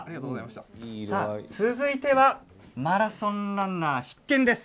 続いてマラソンランナー必見です。